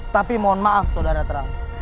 tapi mohon maaf saudara terang